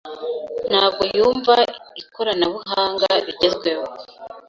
Ntabwo yumva ikoranabuhanga rigezweho.